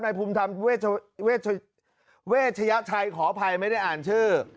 นายภูมิทำเวชยชัยขออภัยไม่ได้อ่านชื่อ